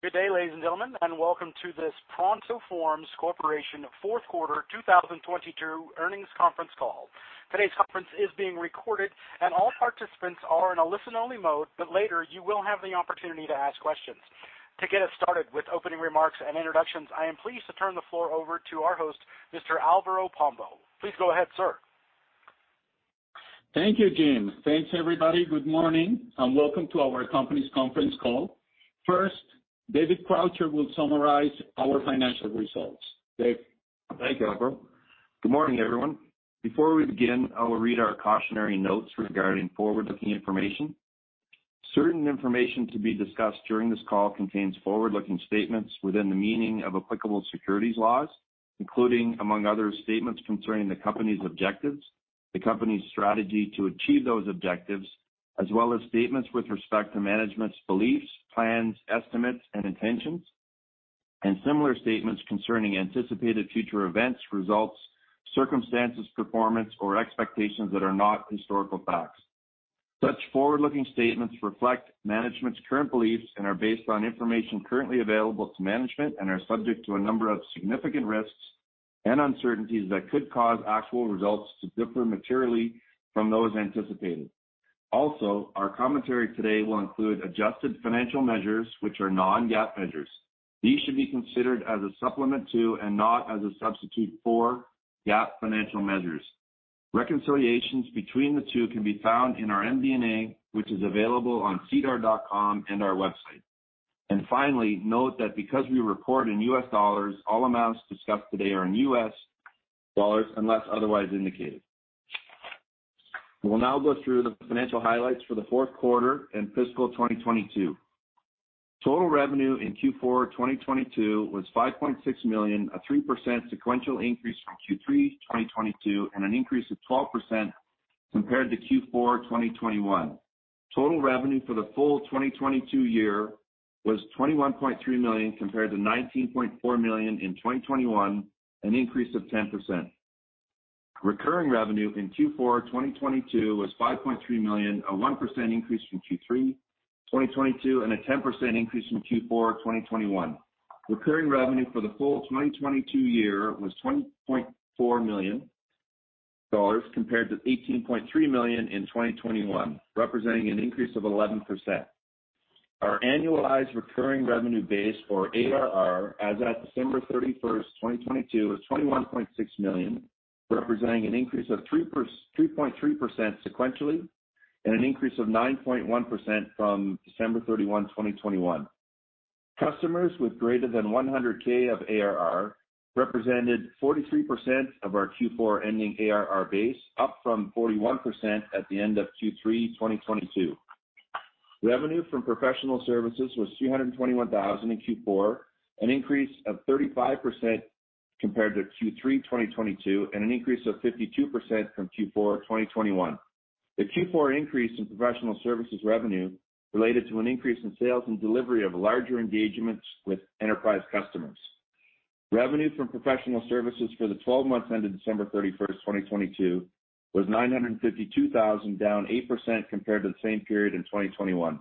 Good day ladies and gentlemen, welcome to this ProntoForms Corporation fourth quarter 2022 earnings conference call. Today's conference is being recorded, all participants are in a listen-only mode. Later, you will have the opportunity to ask questions. To get us started with opening remarks and introductions, I am pleased to turn the floor over to our host, Mr. Alvaro Pombo. Please go ahead, sir. Thank you, Jim. Thanks, everybody. Good morning. Welcome to our company's conference call. First, David Croucher will summarize our financial results. Dave. Thank you Alvaro. Good morning everyone. Before we begin, I will read our cautionary notes regarding forward-looking information. Certain information to be discussed during this call contains forward-looking statements within the meaning of applicable securities laws, including, among others, statements concerning the company's objectives, the company's strategy to achieve those objectives, as well as statements with respect to management's beliefs, plans, estimates, and intentions, and similar statements concerning anticipated future events, results, circumstances, performance, or expectations that are not historical facts. Such forward-looking statements reflect management's current beliefs and are based on information currently available to management and are subject to a number of significant risks and uncertainties that could cause actual results to differ materially from those anticipated. Our commentary today will include adjusted financial measures, which are non-GAAP measures. These should be considered as a supplement to and not as a substitute for GAAP financial measures. Reconciliations between the two can be found in our MD&A, which is available on sedar.com and our website. Finally, note that because we report in US dollars, all amounts discussed today are in US dollars unless otherwise indicated. We'll now go through the financial highlights for the fourth quarter and fiscal 2022. Total revenue in Q4 2022 was $5.6 million, a 3% sequential increase from Q3 2022, and an increase of 12% compared to Q4 2021. Total revenue for the full 2022 year was $21.3 million compared to $19.4 million in 2021, an increase of 10%. Recurring revenue in Q4 2022 was $5.3 million, a 1% increase from Q3 2022, and a 10% increase from Q4 2021. Recurring revenue for the full 2022 year was $20.4 million compared to $18.3 million in 2021, representing an increase of 11%. Our annualized recurring revenue base or ARR as at December 31st, 2022, was $21.6 million, representing an increase of 3.3% sequentially and an increase of 9.1% from December 31, 2021. Customers with greater than 100K of ARR represented 43% of our Q4 ending ARR base, up from 41% at the end of Q3 2022. Revenue from professional services was $221,000 in Q4, an increase of 35% compared to Q3 2022 and an increase of 52% from Q4 2021. The Q4 increase in professional services revenue related to an increase in sales and delivery of larger engagements with enterprise customers. Revenue from professional services for the 12 months ended December 31st, 2022, was $952,000, down 8% compared to the same period in 2021.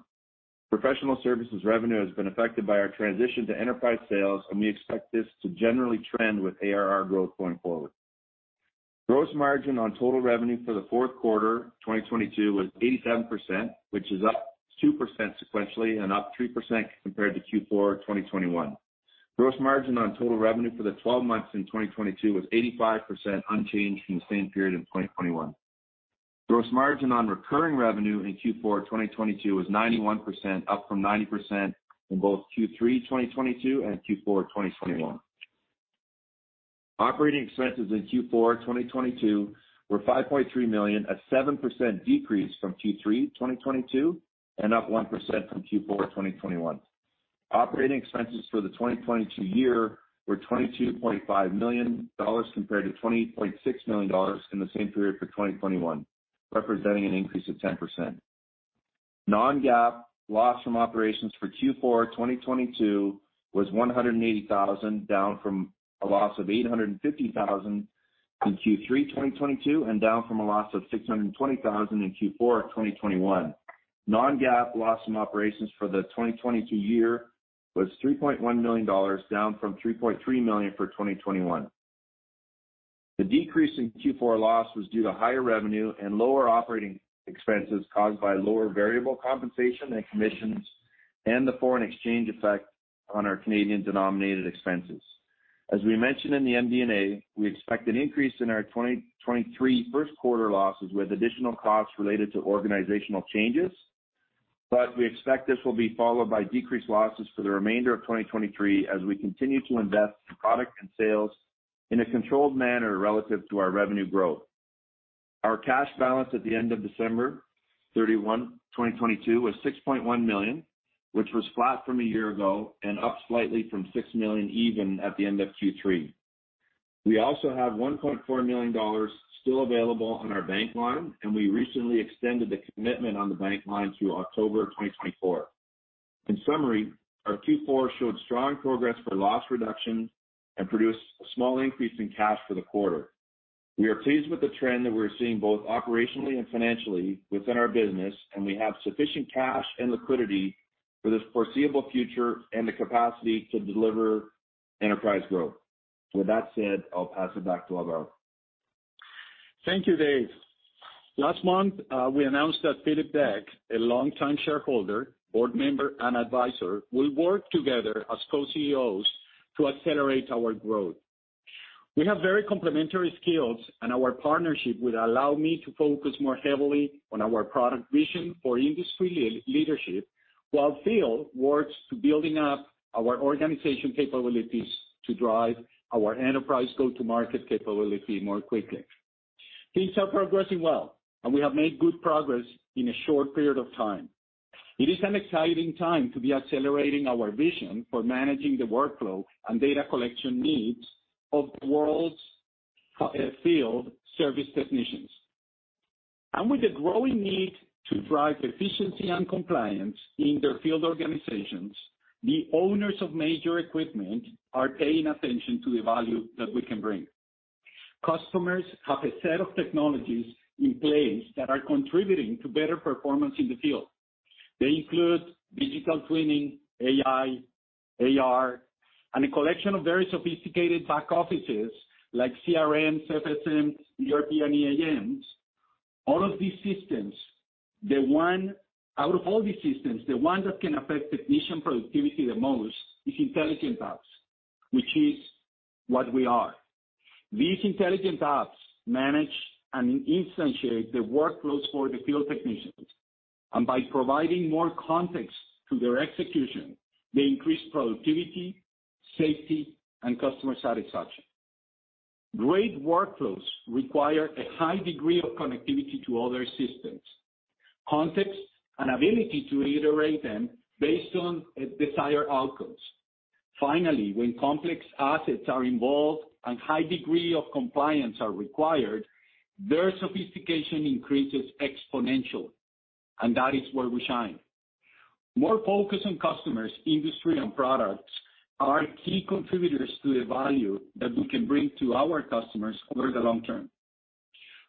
Professional services revenue has been affected by our transition to enterprise sales, and we expect this to generally trend with ARR growth going forward. Gross margin on total revenue for the fourth quarter 2022 was 87%, which is up 2% sequentially and up 3% compared to Q4 2021. Gross margin on total revenue for the 12 months in 2022 was 85% unchanged from the same period in 2021. Gross margin on recurring revenue in Q4 2022 was 91%, up from 90% in both Q3 2022 and Q4 2021. Operating expenses in Q4 2022 were $5.3 million, a 7% decrease from Q3 2022 and up 1% from Q4 2021. Operating expenses for the 2022 year were $22.5 million compared to $20.6 million in the same period for 2021, representing an increase of 10%. non-GAAP loss from operations for Q4 2022 was $180,000, down from a loss of $850,000 in Q3 2022 and down from a loss of $620,000 in Q4 2021. Non-GAAP loss from operations for the 2022 year was $3.1 million, down from $3.3 million for 2021. The decrease in Q4 loss was due to higher revenue and lower operating expenses caused by lower variable compensation and commissions and the foreign exchange effect on our Canadian-denominated expenses. We expect an increase in our 2023 first quarter losses with additional costs related to organizational changes. We expect this will be followed by decreased losses for the remainder of 2023 as we continue to invest in product and sales in a controlled manner relative to our revenue growth. Our cash balance at the end of December 31, 2022, was $6.1 million, which was flat from a year ago and up slightly from $6 million even at the end of Q3. We also have $1.4 million still available on our bank line. We recently extended the commitment on the bank line through October 2024. In summary, our Q4 showed strong progress for loss reduction and produced a small increase in cash for the quarter. We are pleased with the trend that we're seeing both operationally and financially within our business. We have sufficient cash and liquidity for the foreseeable future and the capacity to deliver enterprise growth. With that said, I'll pass it back to Alvaro. Thank you, Dave. Last month, we announced that Philip Deck, a longtime shareholder, board member, and advisor, will work together as co-CEOs to accelerate our growth. We have very complementary skills, and our partnership will allow me to focus more heavily on our product vision for industry leadership, while Phil works to building up our organization capabilities to drive our enterprise go-to-market capability more quickly. Things are progressing well, and we have made good progress in a short period of time. It is an exciting time to be accelerating our vision for managing the workflow and data collection needs of the world's field service technicians. With the growing need to drive efficiency and compliance in their field organizations, the owners of major equipment are paying attention to the value that we can bring. Customers have a set of technologies in place that are contributing to better performance in the field. They include digital twinning, AI, AR, and a collection of very sophisticated back offices, like CRMs, FSMs, ERP, and EAMs. All of these systems, out of all these systems, the one that can affect technician productivity the most is intelligent apps, which is what we are. These intelligent apps manage and instantiate the workflows for the field technicians. By providing more context to their execution, they increase productivity, safety, and customer satisfaction. Great workflows require a high degree of connectivity to other systems, context and ability to iterate them based on desired outcomes. Finally, when complex assets are involved and high degree of compliance are required, their sophistication increases exponentially, and that is where we shine. More focus on customers, industry, and products are key contributors to the value that we can bring to our customers over the long term.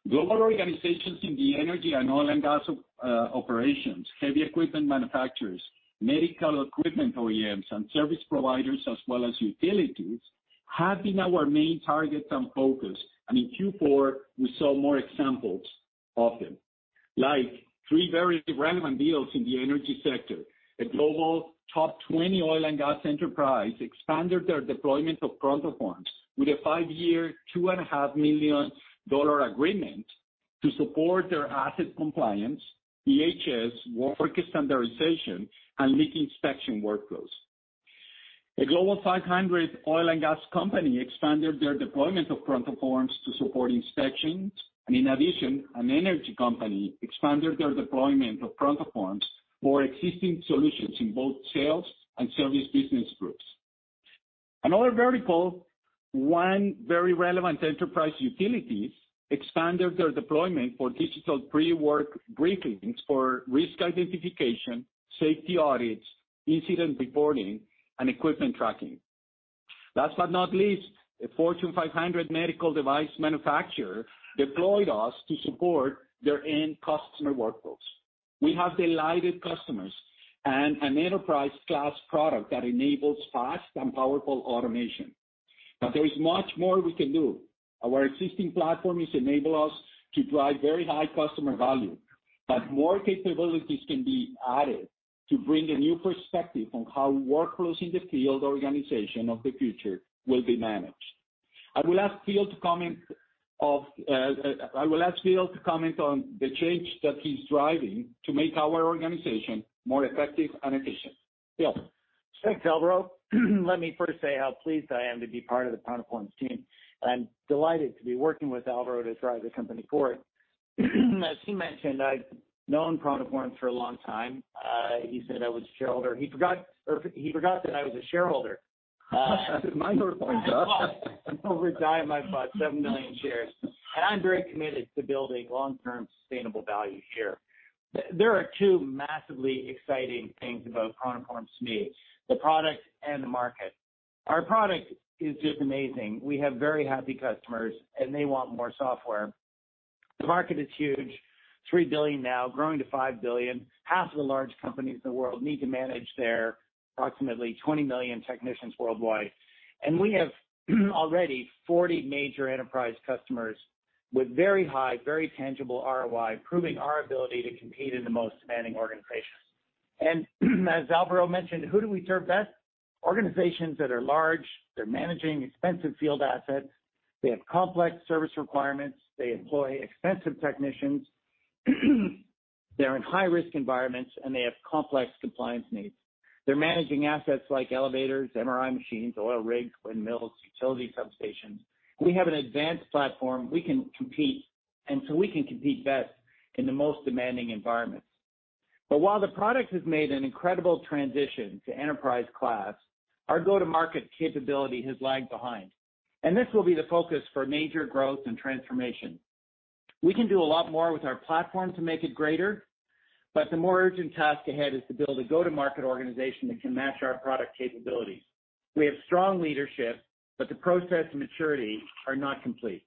Global organizations in the energy and oil and gas operations, heavy equipment manufacturers, medical equipment OEMs, and service providers as well as utilities, have been our main targets and focus. In Q4, we saw more examples of them. Like three very relevant deals in the energy sector. A Global top 20 oil and gas enterprise expanded their deployment of ProntoForms with a 5-year, two and a half million dollar agreement to support their asset compliance, EHS, work standardization, and leak inspection workflows. A Global 500 oil and gas company expanded their deployment of ProntoForms to support inspections. In addition, an energy company expanded their deployment of ProntoForms for existing solutions in both sales and service business groups. Another vertical, one very relevant enterprise utility expanded their deployment for digital pre-work briefings for risk identification, safety audits, incident reporting, and equipment tracking. Last not least, a Fortune 500 medical device manufacturer deployed us to support their end customer workflows. We have delighted customers and an enterprise class product that enables fast and powerful automation. There is much more we can do. Our existing platform enables us to drive very high customer value, but more capabilities can be added to bring a new perspective on how workflows in the field organization of the future will be managed. I will ask Phil to comment on the change that he's driving to make our organization more effective and efficient. Phil? Thanks Alvaro. Let me first say how pleased I am to be part of the ProntoForms team. I'm delighted to be working with Alvaro to drive the company forward. As he mentioned, I've known ProntoForms for a long time. He said I was a shareholder. He forgot that I was a shareholder. Minor point, yeah. Over time, I bought 7 million shares. I'm very committed to building long-term sustainable value here. There are two massively exciting things about ProntoForms to me, the product and the market. Our product is just amazing. We have very happy customers, and they want more software. The market is huge, $3 billion now, growing to $5 billion. Half of the large companies in the world need to manage their approximately 20 million technicians worldwide. We have already 40 major enterprise customers with very high, very tangible ROI, proving our ability to compete in the most demanding organizations. As Alvaro mentioned, who do we serve best? Organizations that are large, they're managing expensive field assets, they have complex service requirements, they employ expensive technicians, they're in high-risk environments, and they have complex compliance needs. They're managing assets like elevators, MRI machines, oil rigs, windmills, utility substations. We have an advanced platform. We can compete. We can compete best in the most demanding environments. While the product has made an incredible transition to enterprise class, our go-to-market capability has lagged behind, and this will be the focus for major growth and transformation. We can do a lot more with our platform to make it greater. The more urgent task ahead is to build a go-to-market organization that can match our product capabilities. We have strong leadership. The process and maturity are not complete.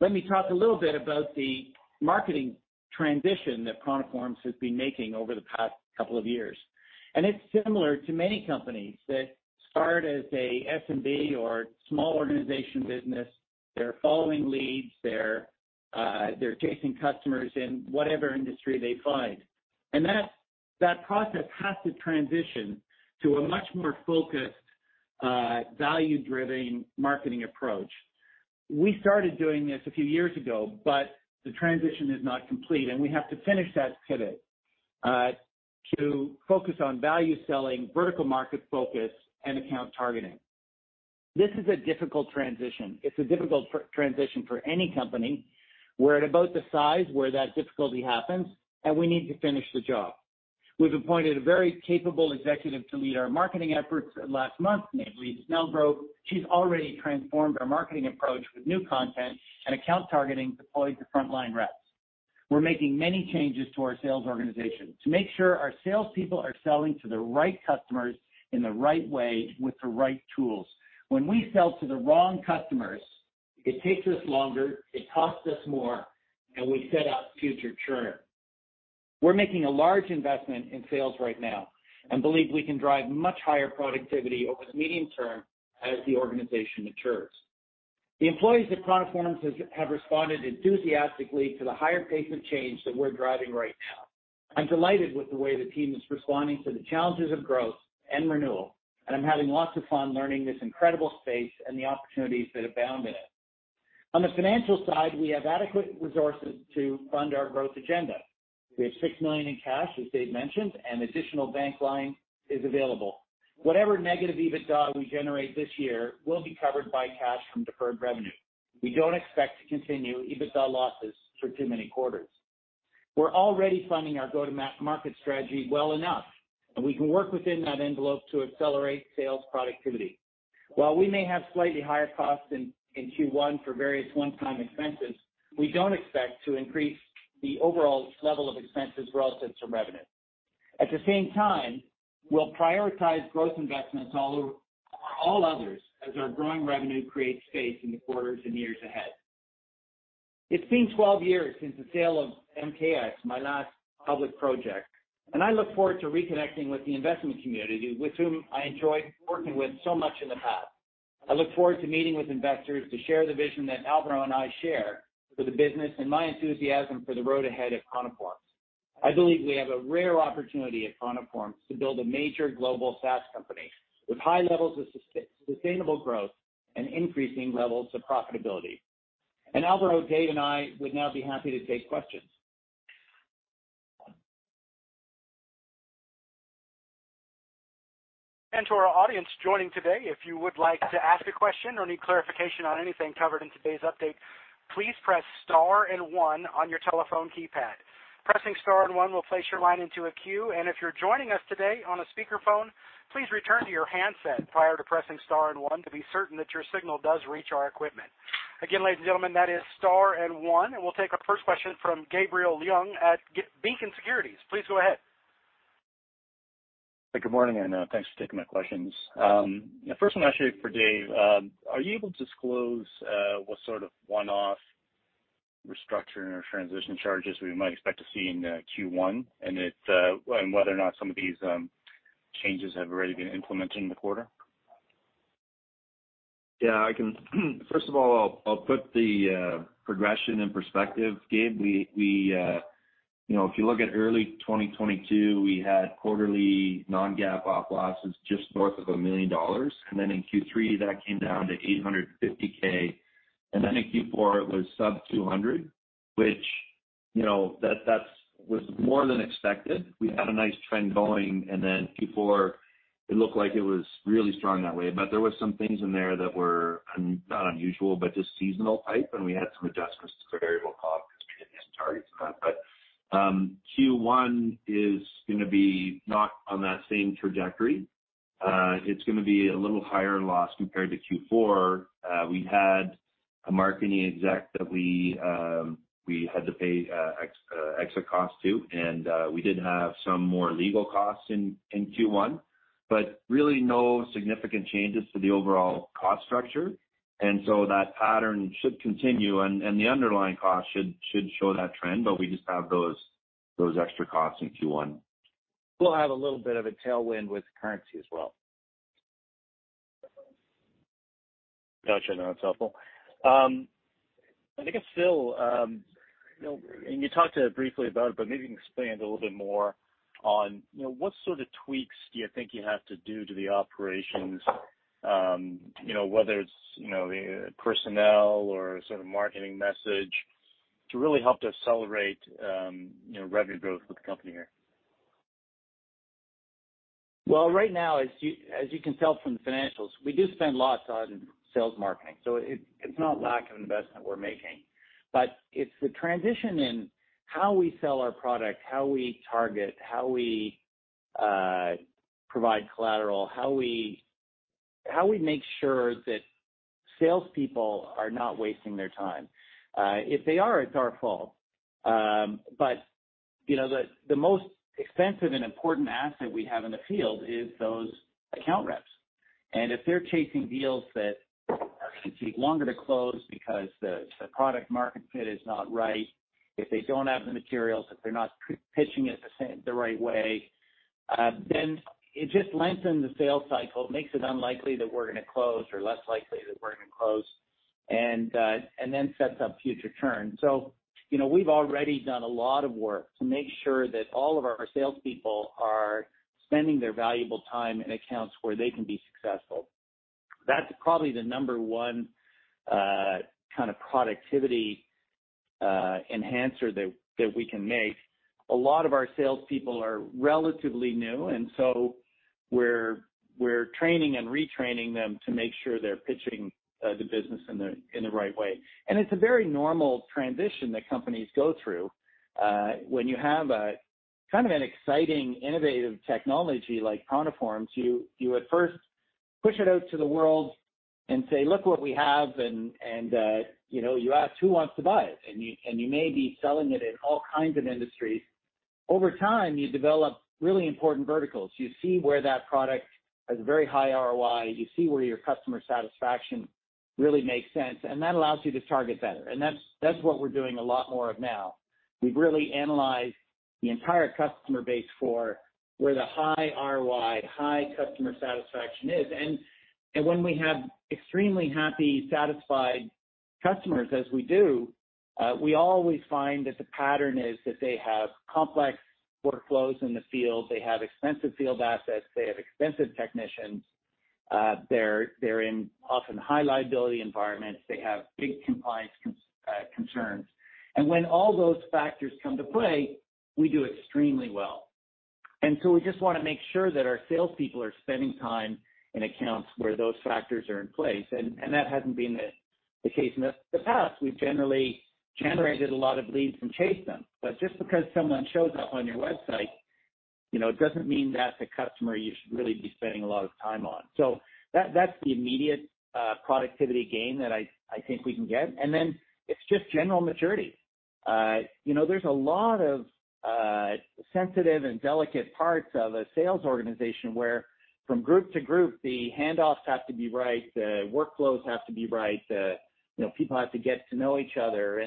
Let me talk a little bit about the marketing transition that ProntoForms has been making over the past couple of years. It's similar to many companies that start as a SMB or small organization business. They're following leads, they're chasing customers in whatever industry they find. That process has to transition to a much more focused, value-driven marketing approach. We started doing this a few years ago, but the transition is not complete, and we have to finish that pivot to focus on value selling, vertical market focus, and account targeting. This is a difficult transition. It's a difficult transition for any company. We're at about the size where that difficulty happens, and we need to finish the job. We've appointed a very capable executive to lead our marketing efforts last month, named Lisa Melbro. She's already transformed our marketing approach with new content and account targeting deployed to frontline reps. We're making many changes to our sales organization to make sure our salespeople are selling to the right customers in the right way with the right tools. When we sell to the wrong customers, it takes us longer, it costs us more, and we set up future churn. We're making a large investment in sales right now and believe we can drive much higher productivity over the medium term as the organization matures. The employees at ProntoForms have responded enthusiastically to the higher pace of change that we're driving right now. I'm delighted with the way the team is responding to the challenges of growth and renewal, and I'm having lots of fun learning this incredible space and the opportunities that abound in it. On the financial side, we have adequate resources to fund our growth agenda. We have $6 million in cash, as Dave mentioned, and additional bank line is available. Whatever negative EBITDA we generate this year will be covered by cash from deferred revenue. We don't expect to continue EBITDA losses for too many quarters. We're already funding our go-to-market strategy well enough, and we can work within that envelope to accelerate sales productivity. While we may have slightly higher costs in Q1 for various one-time expenses, we don't expect to increase the overall level of expenses relative to revenue. At the same time, we'll prioritize growth investments over all others as our growing revenue creates space in the quarters and years ahead. It's been 12 years since the sale of MKX, my last public project, and I look forward to reconnecting with the investment community with whom I enjoyed working with so much in the past. I look forward to meeting with investors to share the vision that Alvaro and I share for the business and my enthusiasm for the road ahead at ProntoForms. I believe we have a rare opportunity at ProntoForms to build a major global SaaS company with high levels of sustainable growth and increasing levels of profitability. Alvaro, Dave, and I would now be happy to take questions. To our audience joining today, if you would like to ask a question or need clarification on anything covered in today's update, please press star and one on your telephone keypad. Pressing star and one will place your line into a queue, and if you're joining us today on a speakerphone, please return to your handset prior to pressing star and one to be certain that your signal does reach our equipment. Again, ladies and gentlemen, that is star and one, and we'll take our first question from Gabriel Leung at Beacon Securities. Please go ahead. Good morning, and thanks for taking my questions. The first one actually for Dave. Are you able to disclose what sort of one-off restructuring or transition charges we might expect to see in Q1 and if, and whether or not some of these changes have already been implemented in the quarter? First of all, I'll put the progression in perspective, Gabe. We, you know, if you look at early 2022, we had quarterly non-GAAP op losses just north of $1 million. In Q3, that came down to $850K. In Q4, it was sub $200K, which, you know, that was more than expected. We had a nice trend going, Q4 it looked like it was really strong that way. There was some things in there that were not unusual, but just seasonal type, and we had some adjustments to variable costs 'cause we didn't hit some targets on that. Q1 is gonna be not on that same trajectory. It's gonna be a little higher loss compared to Q4. We had a marketing exec that we had to pay extra costs to, we did have some more legal costs in Q1, but really no significant changes to the overall cost structure. That pattern should continue and the underlying cost should show that trend, but we just have those extra costs in Q1. We'll have a little bit of a tailwind with currency as well. Gotcha. No, that's helpful. I think it's still, you know, and you talked briefly about it, but maybe you can expand a little bit more on, you know, what sort of tweaks do you think you have to do to the operations, you know, whether it's, you know, the personnel or sort of marketing message to really help to accelerate, you know, revenue growth for the company here? Right now, as you can tell from the financials, we do spend lots on sales marketing, so it's not lack of investment we're making. It's the transition in how we sell our product, how we target, how we provide collateral, How we make sure that salespeople are not wasting their time. If they are, it's our fault, but you know, the most expensive and important asset we have in the field is those account reps. If they're chasing deals that are gonna take longer to close because the product market fit is not right, if they don't have the materials, if they're not pitching it the same, the right way, then it just lengthens the sales cycle, makes it unlikely that we're gonna close or less likely that we're gonna close, and then sets up future churn. You know, we've already done a lot of work to make sure that all of our salespeople are spending their valuable time in accounts where they can be successful. That's probably the number one kind of productivity enhancer that we can make. A lot of our salespeople are relatively new, and so we're training and retraining them to make sure they're pitching the business in the right way. It's a very normal transition that companies go through. When you have a kind of an exciting, innovative technology like ProntoForms, you at first push it out to the world and say, "Look what we have." You know, you ask, "Who wants to buy it?" You may be selling it in all kinds of industries. Over time, you develop really important verticals. You see where that product has very high ROI. You see where your customer satisfaction really makes sense, and that allows you to target better. That's what we're doing a lot more of now. We've really analyzed the entire customer base for where the high ROI, high customer satisfaction is. When we have extremely happy, satisfied customers, as we do, we always find that the pattern is that they have complex workflows in the field. They have expensive field assets. They have expensive technicians. They're in often high liability environments. They have big compliance concerns. When all those factors come to play, we do extremely well. We just wanna make sure that our salespeople are spending time in accounts where those factors are in place, and that hasn't been the case in the past. We've generally generated a lot of leads and chased them. Just because someone shows up on your website, you know, it doesn't mean that's a customer you should really be spending a lot of time on. That's the immediate productivity gain that I think we can get. It's just general maturity. You know, there's a lot of sensitive and delicate parts of a sales organization where from group to group, the handoffs have to be right, the workflows have to be right, the, you know, people have to get to know each other.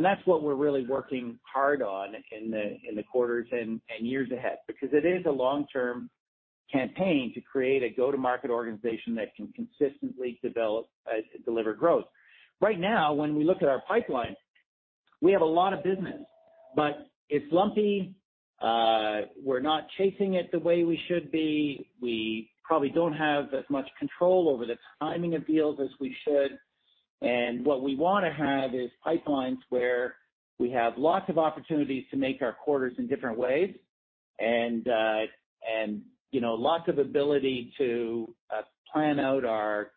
That's what we're really working hard on in the quarters and years ahead, because it is a long-term campaign to create a go-to-market organization that can consistently develop, deliver growth. Right now, when we look at our pipeline, we have a lot of business, but it's lumpy. We're not chasing it the way we should be. We probably don't have as much control over the timing of deals as we should. What we wanna have is pipelines where we have lots of opportunities to make our quarters in different ways, and, you know, lots of ability to plan out our,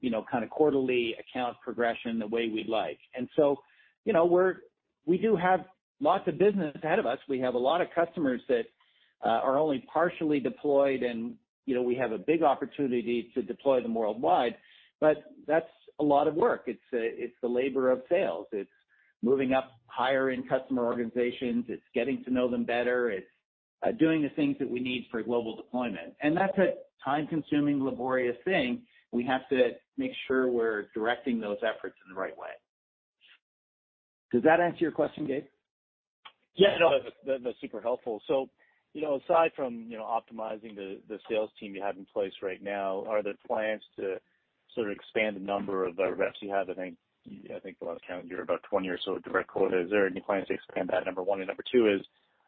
you know, kinda quarterly account progression the way we'd like. You know, we do have lots of business ahead of us. We have a lot of customers that are only partially deployed, and, you know, we have a big opportunity to deploy them worldwide. That's a lot of work. It's the labor of sales. It's moving up higher in customer organizations. It's getting to know them better. It's doing the things that we need for global deployment. That's a time-consuming, laborious thing. We have to make sure we're directing those efforts in the right way. Does that answer your question, Gabe? Yeah, no, that's super helpful. You know, aside from, you know, optimizing the sales team you have in place right now, are there plans to sort of expand the number of reps you have? I think, I think the last count you were about 20 or so direct quota. Is there any plans to expand that, number one? Number two is,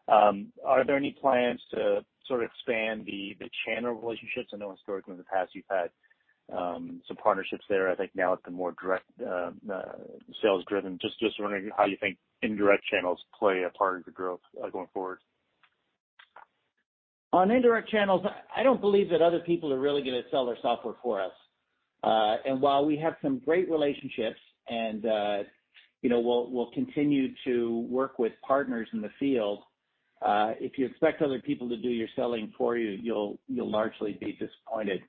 are there any plans to sort of expand the channel relationships? I know historically in the past you've had, some partnerships there. I think now it's been more direct, sales driven. Just, just wondering how you think indirect channels play a part in the growth going forward. On indirect channels, I don't believe that other people are really gonna sell our software for us. While we have some great relationships and, you know, we'll continue to work with partners in the field, if you expect other people to do your selling for you'll largely be disappointed.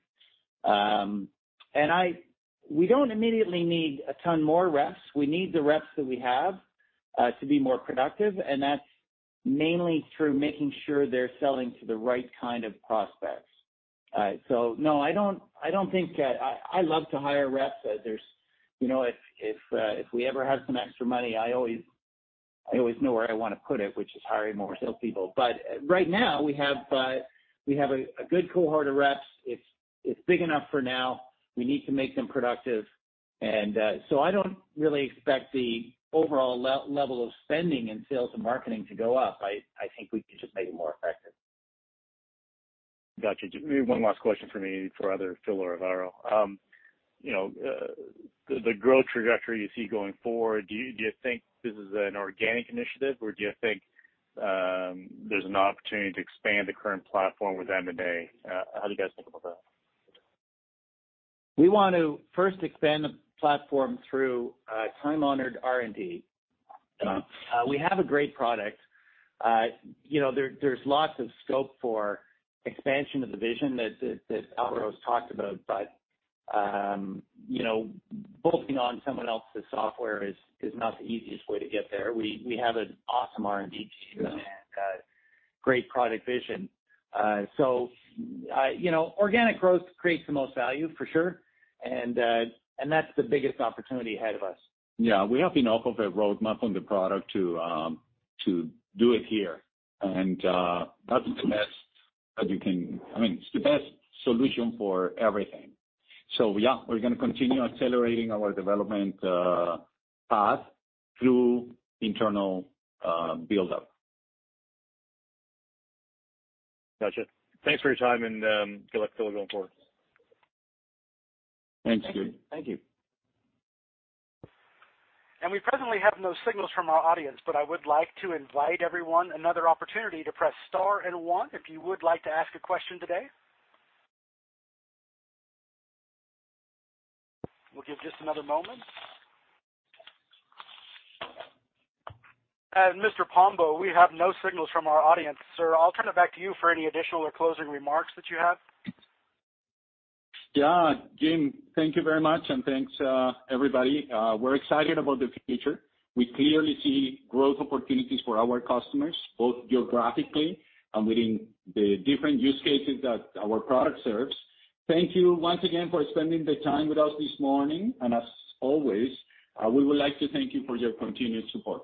We don't immediately need a ton more reps. We need the reps that we have to be more productive, and that's mainly through making sure they're selling to the right kind of prospects. No, I don't think I love to hire reps. There's, you know, if, if we ever have some extra money, I always know where I wanna put it, which is hiring more salespeople. Right now we have a good cohort of reps. It's big enough for now. We need to make them productive, and I don't really expect the overall level of spending in sales and marketing to go up. I think we can just make it more effective. Gotcha. Just maybe one last question from me for either Phil or Alvaro. You know, the growth trajectory you see going forward, do you, do you think this is an organic initiative, or do you think there's an opportunity to expand the current platform with M&A? How do you guys think about that? We want to first expand the platform through time-honored R&D. We have a great product. You know, there's lots of scope for expansion of the vision that Alvaro's talked about. You know, bolting on someone else's software is not the easiest way to get there. We have an awesome R&D team and great product vision. You know, organic growth creates the most value for sure, and that's the biggest opportunity ahead of us. Yeah. We have enough of a roadmap on the product to to do it here. That's the best. I mean, it's the best solution for everything. Yeah, we're gonna continue accelerating our development path through internal build up. Gotcha. Thanks for your time and good luck going forward. Thanks. Thank you. We presently have no signals from our audience, but I would like to invite everyone another opportunity to press star and one if you would like to ask a question today. We'll give just another moment. Mr. Pombo, we have no signals from our audience. Sir, I'll turn it back to you for any additional or closing remarks that you have. Yeah. Jim, thank you very much, and thanks, everybody. We're excited about the future. We clearly see growth opportunities for our customers, both geographically and within the different use cases that our product serves. Thank you once again for spending the time with us this morning. As always, we would like to thank you for your continued support.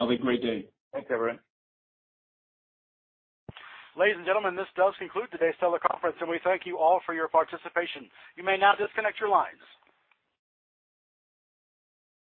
Have a great day. Thanks everyone. Ladies and gentlemen, this does conclude today's teleconference. We thank you all for your participation. You may now disconnect your lines.